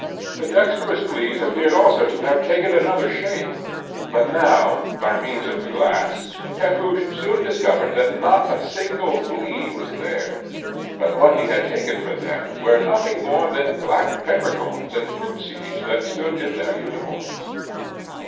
The dexterous fleas appeared also to have taken another shape. But now, by means of the glass, Pepusch soon discovered that not a single flea was there, but what he had taken for them were nothing more than black pepper corns and fruit seeds that stood in their uniforms.